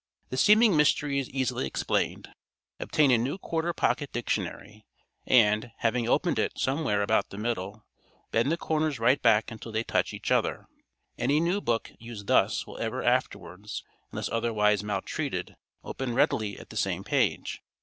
The seeming mystery is easily explained. Obtain a new quarter pocket dictionary, and, having opened it somewhere about the middle, bend the covers right back until they touch each other. Any new book used thus will ever afterwards, unless otherwise maltreated, open readily at the same page.